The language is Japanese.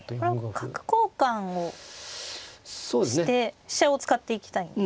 これは角交換をして飛車を使っていきたいんですね。